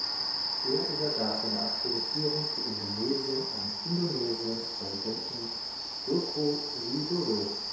Er übergab seine Akkreditierung für Indonesien an Indonesiens Präsidenten Joko Widodo.